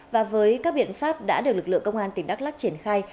và với các biện pháp đã được lực lượng công an tỉnh đắk lắc triển khai